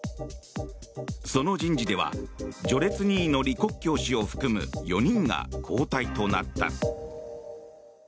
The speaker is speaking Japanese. その人事では序列２位の李克強氏を含む４人が交代となった。